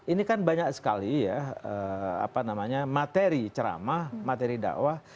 ini kan banyak sekali ya materi ceramah materi dakwah